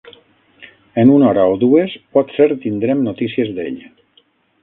En una hora o dues potser tindrem notícies d'ell.